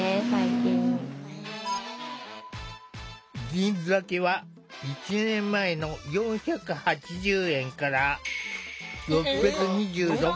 銀ざけは１年前の４８０円から６２６円に。